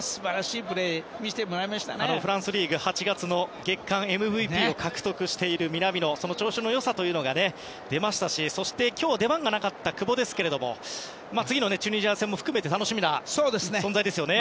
フランスリーグ８月の月間ＭＶＰを獲得している南野のその調子の良さが出ましたしそして、今日出番がなかった久保ですが次のチュニジア戦も含めて楽しみな存在ですよね。